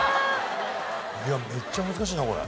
いやめっちゃ難しいなこれ。